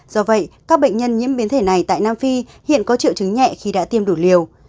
do vậy các bệnh nhân nhiễm biến thể này tại nam phi hiện có triệu chứng nhẹ khi đã tiêm đủ liều